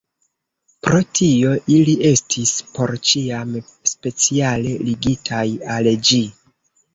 Pro tio, ili estis por ĉiam speciale ligitaj al ĝi.